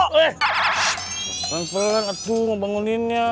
peran peran aduh mau banguninnya